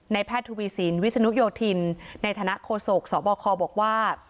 แพทย์ทวีสินวิศนุโยธินในฐานะโฆษกสบคบอกว่า